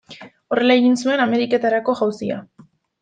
Horrela egin zuen Ameriketarako jauzia.